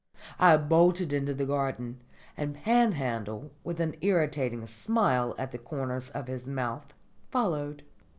I bolted into the garden, and Panhandle, with an irritating smile at the corners of his mouth, followed.